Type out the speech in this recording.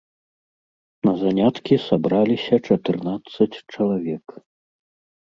На заняткі сабраліся чатырнаццаць чалавек.